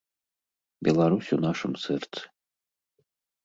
Беларусь у нашым сэрцы.